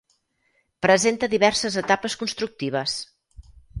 Presenta diverses etapes constructives.